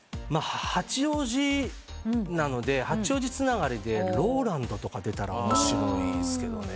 八王子なので八王子つながりでＲＯＬＡＮＤとか出たら面白いっすけどね。